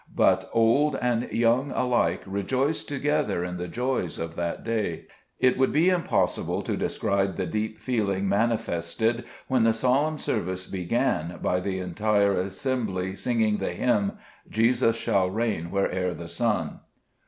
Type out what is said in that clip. But old and young alike rejoiced together in the joys of that day. It would be impossible to describe the deep feeling manifested when the solemn service began by the entire sm ging the hymn, ' Jesus shall reign where'er the sun.'